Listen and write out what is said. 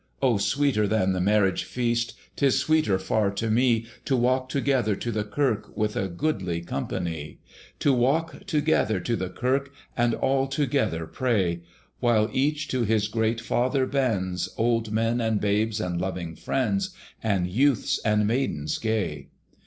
O sweeter than the marriage feast, 'Tis sweeter far to me, To walk together to the kirk With a goodly company! To walk together to the kirk, And all together pray, While each to his great Father bends, Old men, and babes, and loving friends, And youths and maidens gay!